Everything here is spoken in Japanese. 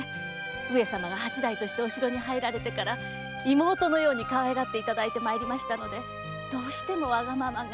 上様が八代としてお城に入られてから妹のようにかわいがっていただいてまいりましたのでどうしてもわがままが。